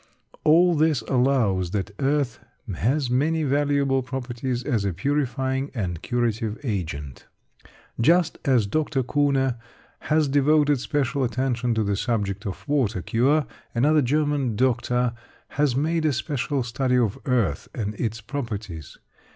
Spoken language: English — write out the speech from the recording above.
All this shows that earth has many valuable properties as a purifying and curative agent. Just as Dr. Kuhne has devoted special attention to the subject of water cure, another German doctor has made a special study of earth and its properties.